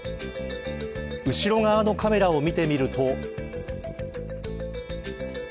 後ろ側のカメラを見てみると。